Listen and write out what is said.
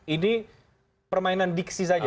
ini permainan diksis saja